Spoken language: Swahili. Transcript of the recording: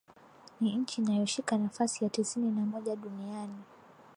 Ni nchi inayoshika nafasi ya tisini na moja duniani